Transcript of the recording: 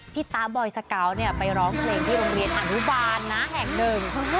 พี่ตาบอยสกาวไปร้องเพลงที่โรงเรียนทางธุบาลแห่งหนึ่ง